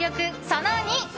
その２。